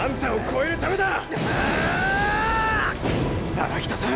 荒北さん！